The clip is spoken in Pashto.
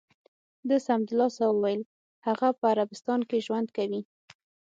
ده سمدلاسه و ویل: هغه په عربستان کې ژوند کوي.